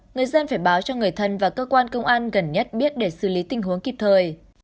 người dân phải báo cho người thân và cơ quan công an gần nhất biết để xử lý tình huống kịp thời